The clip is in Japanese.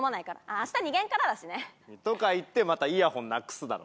明日２限からだしね。とか言ってまたイヤホンなくすだろ。